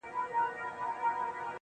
o ما چي د ميني په شال ووهي ويده سمه زه.